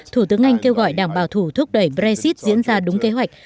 thủ tướng anh kêu gọi đảng bảo thủ thúc đẩy brexit diễn ra đúng kế hoạch